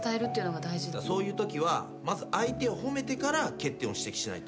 そういうときはまず相手を褒めてから欠点を指摘しないと。